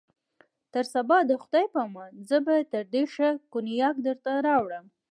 تر سبا د خدای په امان، زه به تر دې ښه کونیاک درته راوړم.